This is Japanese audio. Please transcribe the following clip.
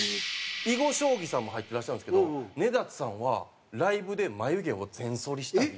囲碁将棋さんも入ってらっしゃるんですけど根建さんはライブで眉毛を全そりしたり。